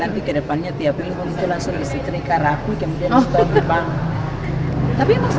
iya nanti ke depannya tiap minggu langsung disetrika rapi kemudian disetori ke bank